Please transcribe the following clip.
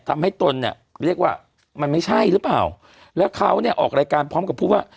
ตนเนี่ยเรียกว่ามันไม่ใช่หรือเปล่าแล้วเขาเนี่ยออกรายการพร้อมกับพูดว่า